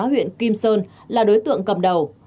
huyện kim sơn là đối tượng cầm đầu